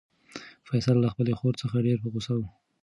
فیصل له خپلې خور څخه ډېر په غوسه و.